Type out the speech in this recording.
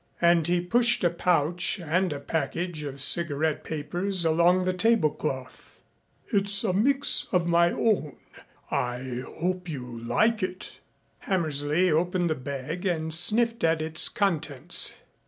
And he pushed a pouch and a package of cigarette papers along the tablecloth. "It's a mix of my own. I hope you'll like it." Hammersley opened the bag and sniffed at its contents.